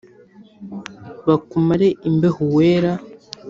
Bakumare imbeho Uwera